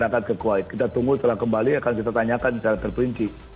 tapi kita tunggu setelah kembali akan ditanyakan secara terperinci